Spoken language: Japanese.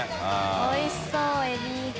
おいしそうエビ。